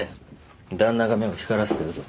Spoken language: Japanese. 旦那が目を光らせてるぞ。